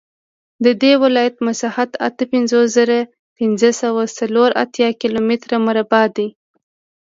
د دې ولایت مساحت اته پنځوس زره پنځه سوه څلور اتیا کیلومتره مربع دی